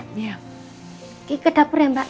kiki ke dapur ya mbak